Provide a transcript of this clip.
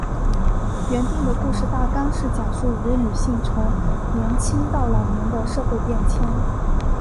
原定的故事大纲是讲述五位女性从年青到老年的社会变迁。